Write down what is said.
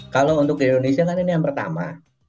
kalau untuk di indonesia kan ini yang pertama